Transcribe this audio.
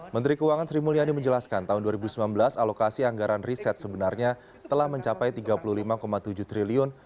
menteri keuangan sri mulyani menjelaskan tahun dua ribu sembilan belas alokasi anggaran riset sebenarnya telah mencapai rp tiga puluh lima tujuh triliun